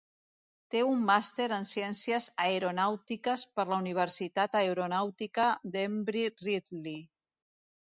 Té un màster en ciències aeronàutiques per la Universitat Aeronàutica d'Embry-Riddle.